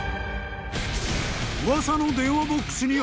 ［噂の電話ボックスに］